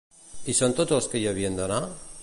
Hi són tots els que hi havien d'anar?